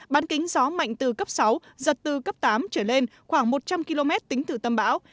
bán kính gió mạnh từ cấp sáu giật từ cấp tám trở lên khoảng một trăm linh km tính từ tâm bão